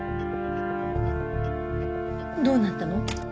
どうなったの？